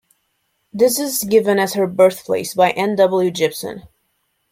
This is given as her birthplace by N. W. Jipson.